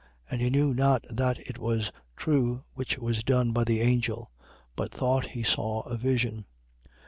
And he knew not that it was true which was done by the angel: but thought he saw a vision.